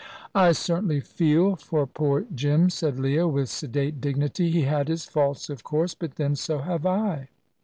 "I certainly feel for poor Jim," said Leah, with sedate dignity: "he had his faults, of course; but then, so have I."